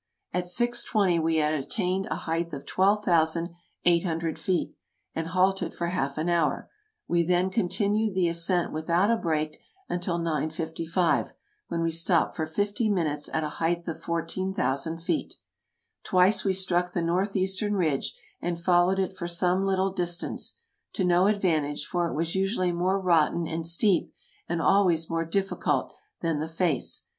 At six twenty we had attained a height of 12,800 feet, and halted for half an hour; we then con tinued the ascent without a break until nine fifty five, when we stopped for fifty minutes at a height of 14,000 feet. Twice we struck the north eastern ridge, and followed it for some little distance — to no advantage, for it was usually more rotten and steep, and always more difficult, than the face.